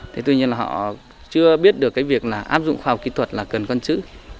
thế tuy nhiên là họ chưa biết được cái việc là áp dụng khoa học kỹ thuật là cần con chữ